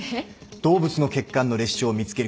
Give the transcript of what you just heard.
動物の血管の裂傷を見つける技術。